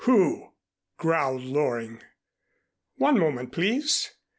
"Who?" growled Loring. "One moment, please.